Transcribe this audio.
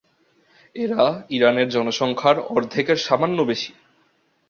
এরা ইরানের জনসংখ্যার অর্ধেকের সামান্য বেশি।